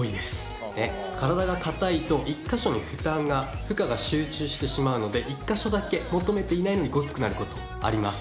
体がかたいと１か所に負担が負荷が集中してしまうので１か所だけ求めていないのにゴツくなること、あります。